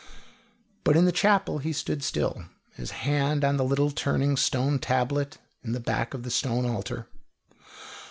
But in the chapel he stood still, his hand on the little turning stone tablet in the back of the stone altar.